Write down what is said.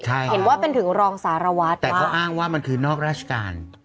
ใช่ครับแต่เข้าอ้างว่ามันคือนอกราชการ